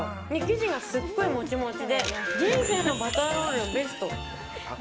生地がすごいもちもちで人生のバターロールベスト。